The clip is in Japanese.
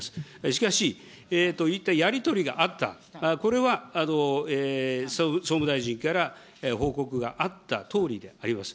しかし、やり取りがあった、これは総務大臣から報告があったとおりであります。